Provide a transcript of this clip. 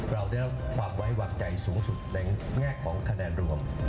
เราได้รับความไว้วางใจสูงสุดในแง่ของคะแนนรวม